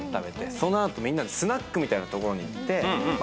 その後みんなでスナックみたいなところに行って。